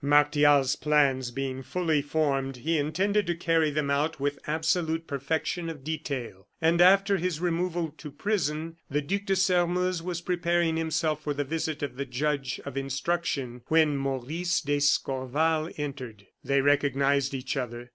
Martial's plans being fully formed, he intended to carry them out with absolute perfection of detail, and, after his removal to prison, the Duc de Sairmeuse was preparing himself for the visit of the judge of instruction, when Maurice d'Escorval entered. They recognized each other.